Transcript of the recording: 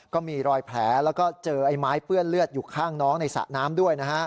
ก็มีรอยแผลแล้วก็เจอไอ้ไม้เปื้อนเลือดอยู่ข้างน้องในสระน้ำด้วยนะฮะ